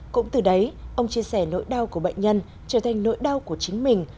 cũng từ đấy ông chia sẻ nỗi đau của bệnh nhân trở thành nỗi đau của chính mình